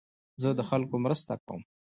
زه د خلکو مرسته کوم.